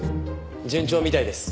順調みたいです。